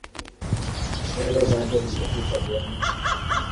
Wewe bado hujafika bwana